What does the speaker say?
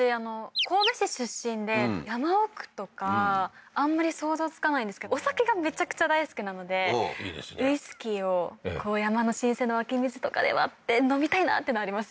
神戸市出身で山奥とかあんまり想像つかないんですけどお酒がめちゃくちゃ大好きなのでウイスキーを山の新鮮な湧き水とかで割って飲みたいなっていうのはあります